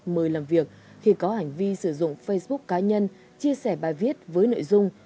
mời làm việc khi có hành vi sử dụng facebook cá nhân chia sẻ bài viết với nội dung